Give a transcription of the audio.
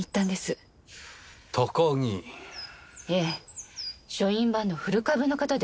書院番の古株の方です。